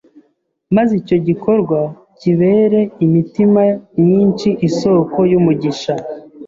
maze icyo gikorwa kibere imitima myinshi isoko y'umugisha